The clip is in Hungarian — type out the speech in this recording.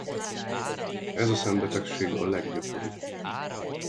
Ez a szembetegség a leggyakoribb.